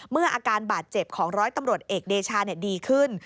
อาการบาดเจ็บของร้อยตำรวจเอกเดชาดีขึ้น